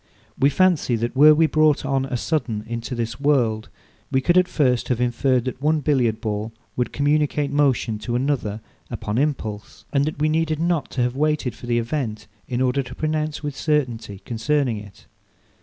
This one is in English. We fancy, that were we brought on a sudden into this world, we could at first have inferred that one Billiard ball would communicate motion to another upon impulse; and that we needed not to have waited for the event, in order to pronounce with certainty concerning it.